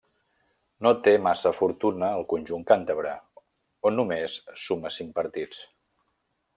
No té massa fortuna al conjunt càntabre, on només suma cinc partits.